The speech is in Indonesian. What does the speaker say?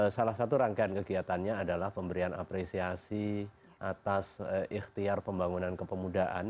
salah satu rangkaian kegiatannya adalah pemberian apresiasi atas ikhtiar pembangunan kepemudaan